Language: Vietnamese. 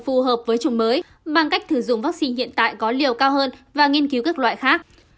phù hợp với chủng mới bằng cách thử dụng vaccine hiện tại có liều cao hơn và nghiên cứu các loại khác